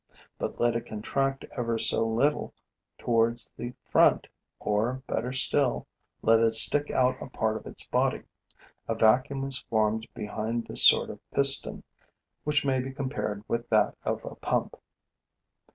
But let it contract ever so little towards the front, or, better still, let it stick out a part of its body: a vacuum is formed behind this sort of piston, which may be compared with that of a pump.